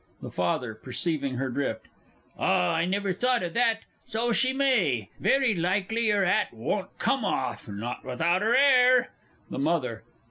THE FATHER (perceiving her drift). Ah, I never thought o' that. So she may. Very likely her 'at won't come off not without her 'air! THE MOTHER.